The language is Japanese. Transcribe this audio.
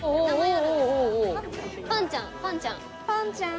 パンちゃんパンちゃん。